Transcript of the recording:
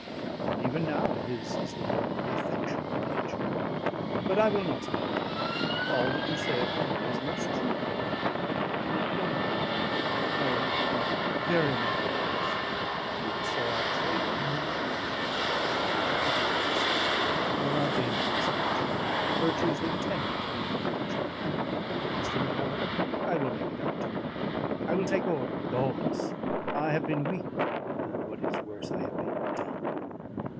And even now his is the more affectionate nature. But I will not speak of him. All that you say of Henry is most true; I do not wonder, I know him to be very magnanimous; you will say I trade upon the knowledge? It is possible; there are dangerous virtues: virtues that tempt the encroacher. Mr. Mackellar, I will make it up to him; I will take order with all this. I have been weak; and, what is worse, I have been dull."